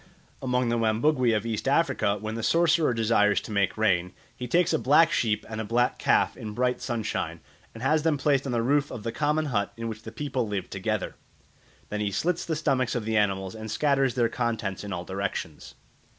Among the Wambugwe of East Africa, when the sorcerer desires to make rain, he takes a black sheep and a black calf in bright sunshine, and has them placed on the roof of the common hut in which the people live together. Then he slits the stomachs of the animals and scatters their contents in all directions.